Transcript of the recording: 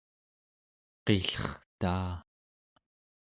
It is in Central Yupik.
qillertaa